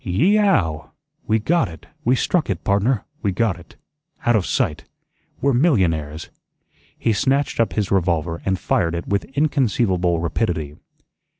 "Yee e ow! We GOT it, we struck it. Pardner, we got it. Out of sight. We're millionaires." He snatched up his revolver and fired it with inconceivable rapidity.